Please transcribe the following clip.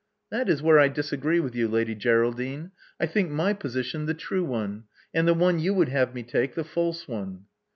That is where I disagree with you. Lady Greral dine. I think my position the true one; and the one you would have me take, the false one."